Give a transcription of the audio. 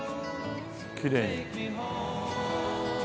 きれいに。